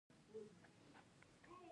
د خوست په صبریو کې د ګچ نښې شته.